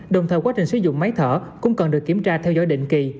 đồng thời quá trình sử dụng máy thở cũng cần được kiểm tra theo dõi định kỳ